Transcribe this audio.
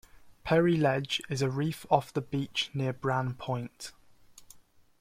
Perry Ledge is a reef off the beach near Bran Point.